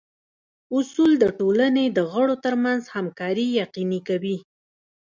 اصول د ټولنې د غړو ترمنځ همکاري یقیني کوي.